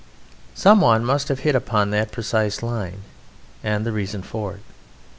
Some one must have hit upon that precise line and the reason for it.